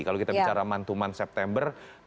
kalau kita bicara mantuman september